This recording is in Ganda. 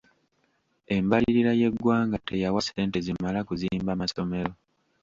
Embalirira y'eggwanga teyawa ssente zimala kuzimba masomero.